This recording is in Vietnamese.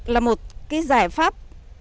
là một giải pháp